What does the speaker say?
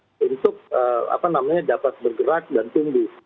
harapan dari masyarakat tenaga kerja dan pelaku usaha itu adalah untuk dapat bergerak dan tumbuh